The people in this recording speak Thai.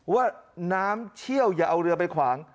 ว่าน้ำเชี่ยวอย่าเอาเรือไปขวาง